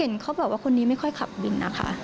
เห็นเขาบอกว่าคนนี้ไม่ค่อยขับบินค่ะ